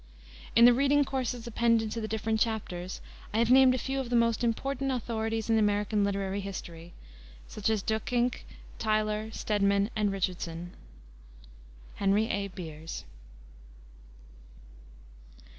In the reading courses appended to the different chapters I have named a few of the most important authorities in American literary history, such as Duyckinck, Tyler, Stedman, and Richardson. HENRY A. BEERS.